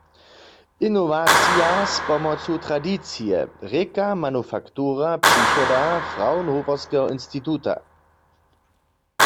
"Inowacija z pomocu tradicije" rěka manufaktura přichoda Fraunhoferskeho instituta.